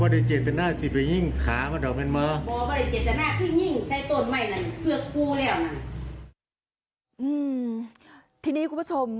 ทีนี้คุณผู้ชม